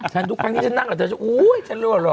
ฉันทุกครั้งนี้จะนั่งกับเธอโอ้โฮฉันรวมหรอ